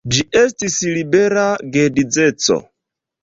Ĝi estis "libera geedzeco".